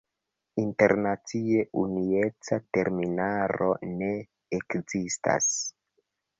Internacie unueca terminaro ne ekzistas.